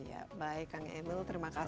ya baik kang emil terima kasih